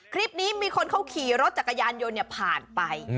คลิปนี้มีคนเขาขี่รถจักรยานโยนผ่านไป